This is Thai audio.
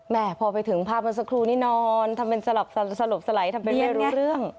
แม่พอไปถึงภาพมันสกรูนี่นอนทำเป็นสลับสลับสลบสไลด์ทำเป็นไม่รู้เรื่อง